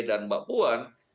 dan mbak buan